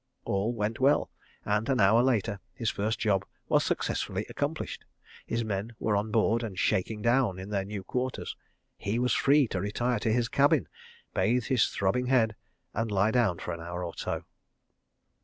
All went well, and, an hour later, his first job was successfully accomplished. His men were on board and "shaking down" in their new quarters. He was free to retire to his cabin, bathe his throbbing head, and lie down for an hour or so.